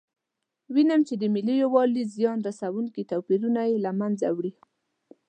وینم چې د ملي یووالي زیان رسونکي توپیرونه یې له منځه وړي.